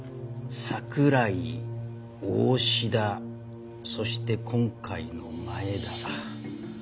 桜井大志田そして今回の前田。